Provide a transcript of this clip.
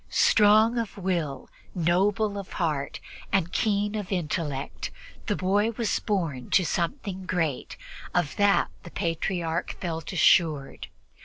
Strong of will, noble of heart and keen of intellect, the boy was born to something great of that the Patriarch felt assured.